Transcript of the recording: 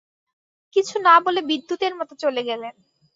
কিছু না বলে বিদ্যুতের মতো চলে গেলেন।